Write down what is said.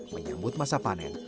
menyambut masa panen